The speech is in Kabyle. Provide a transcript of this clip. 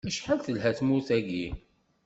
Acḥal telha tmurt-agi!